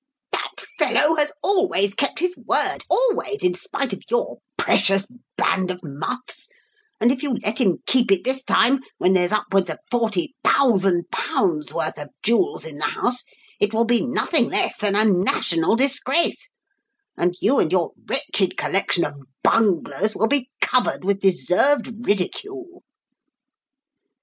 "That fellow has always kept his word always, in spite of your precious band of muffs and if you let him keep it this time, when there's upwards of £40,000 worth of jewels in the house, it will be nothing less than a national disgrace, and you and your wretched collection of bunglers will be covered with deserved ridicule."